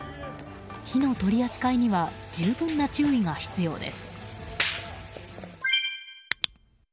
火の取り扱いには十分な注意が必要です。